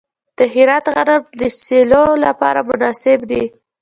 د هرات غنم د سیلو لپاره مناسب دي.